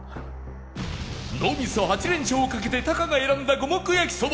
ノーミス８連勝をかけてタカが選んだ五目焼そば